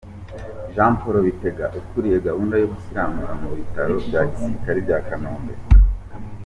Jean Paul Bitega ukuriye gahunda yo gusiramura mu biraro bya Gisirikare bya Kanombe.